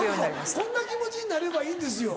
こんな気持ちになればいいんですよ。